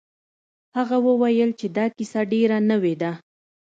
هغه وویل چې دا کیسه ډیره نوې ده.